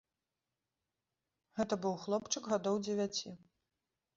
Гэта быў хлопчык гадоў дзевяці.